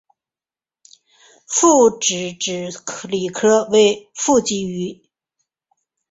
复齿脂鲤科为辐鳍鱼纲脂鲤目的一个科。